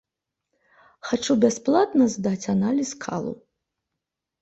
Хачу бясплатна здаць аналіз калу.